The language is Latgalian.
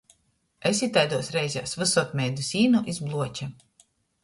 Es taiduos reizēs vysod meidu sīnu iz bluoča.